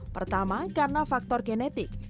pertama karena faktor genetik